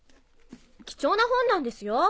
貴重な本なんですよ